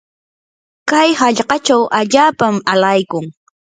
kay hallqachaw allaapam alaykun.